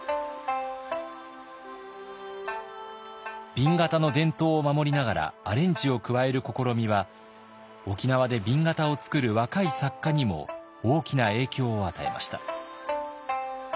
紅型の伝統を守りながらアレンジを加える試みは沖縄で紅型を作る若い作家にも大きな影響を与えました。